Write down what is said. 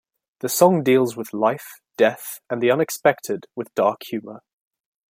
The song deals with life, death and the unexpected with dark humor.